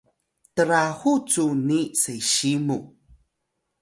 trahu cu ni sesiy mu